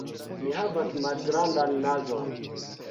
Mi havas malgrandan nazon.